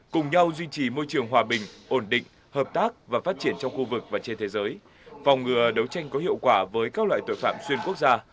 cùng nhau duy trì môi trường hòa bình ổn định hợp tác và phát triển trong khu vực và trên thế giới phòng ngừa đấu tranh có hiệu quả với các loại tội phạm xuyên quốc gia